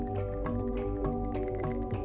saya juga seorang pemenang film ini